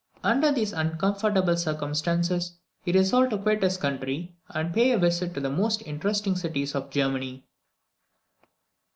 Under these uncomfortable circumstances he resolved to quit his country, and pay a visit to the most interesting cities of Germany.